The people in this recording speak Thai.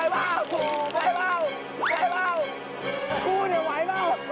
ไว